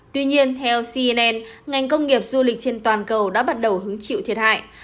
tuy nhiên theo cnn ngành công nghiệp du lịch trên toàn cầu đã bắt đầu hứng chịu thiệt hại